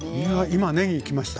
今ねぎきました。